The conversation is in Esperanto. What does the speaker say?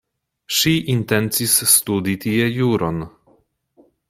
Ŝi intencis studi tie juron.